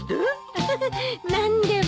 ウフフ何でも。